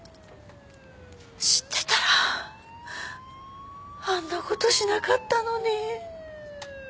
知ってたらあんな事しなかったのに。